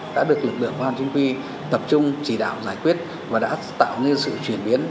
đã được lực lượng công an chính quy tập trung chỉ đạo giải quyết và đã tạo nên sự chuyển biến